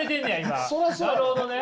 なるほどね。